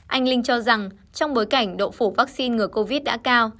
anh linh cho rằng trong bối cảnh độ phủ vaccine ngừa covid đã cao